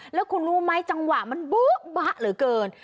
แล้วคุณรู้ไหมจังหวะมันโบ๊ะบะเหลือเกิน